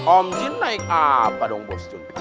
om jun naik apa dong bos jun